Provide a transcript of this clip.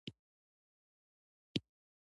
هلمند سیند د افغانستان د پوهنې نصاب کې شامل دي.